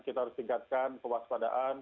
kita harus tingkatkan kewaspadaan